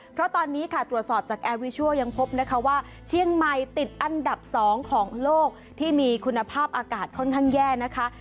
เพราะตอนนี้ค่ะตรวจสอบจากแอร์วิชัวร์ยังพบนะคะว่าเชียงใหม่ติดอันดับ๒ของโลกที่มีคุณภาพอากาศค่อนข้างแย่นะคะ